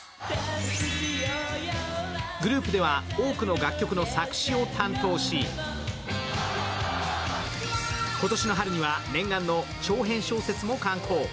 グループでは多くの楽曲の作詞を担当し、今年の春には念願の長編小説も刊行。